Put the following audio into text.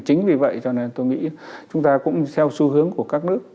chính vì vậy cho nên tôi nghĩ chúng ta cũng theo xu hướng của các nước